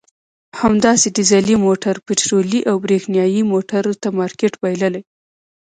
همداسې ډیزلي موټر پټرولي او برېښنایي موټر ته مارکېټ بایللی.